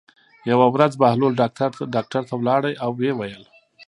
یوه ورځ بهلول ډاکټر ته لاړ او ویې ویل.